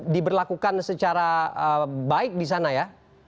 diberlakukan secara baik di sana ya